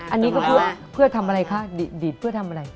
อันนี้ก็เพื่อทำอะไรคะดีดเพื่อทำอะไร